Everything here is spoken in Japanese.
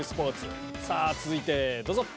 続いてどうぞ！